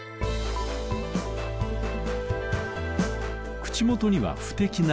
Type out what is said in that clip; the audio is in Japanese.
口元には不敵な笑み。